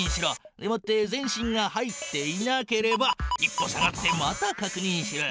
でもって全身が入っていなければ１歩下がってまたかくにんしろ。